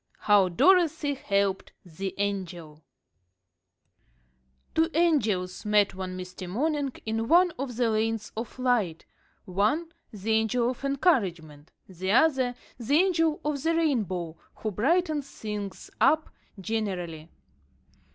"] HOW DOROTHY HELPED THE ANGEL Two angels met one misty morning in one of the Lanes of Light: one, the Angel of Encouragement; the other, the Angel of the Rainbow, who brightens things up generally.